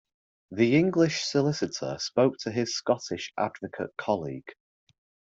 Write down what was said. The English solicitor spoke to his Scottish advocate colleague